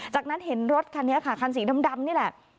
จากนั้นเห็นรถคันนี้ค่ะคันสีดำนี่แหละ